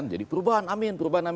jadi perubahan amin